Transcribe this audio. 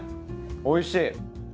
おいしい。